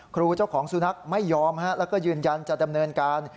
ครูเจ้าของสุนัขไม่ยอมแล้วก็ยืนยันจะดำเนินการ